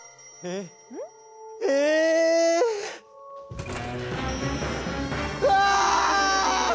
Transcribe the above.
うわ！